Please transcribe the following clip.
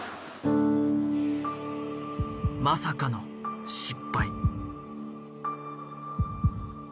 まさかの失敗。